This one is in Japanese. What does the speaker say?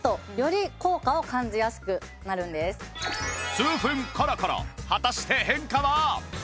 数分コロコロ果たして変化は！？